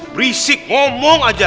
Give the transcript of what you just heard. berisik ngomong aja